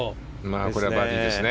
これはバーディーですね。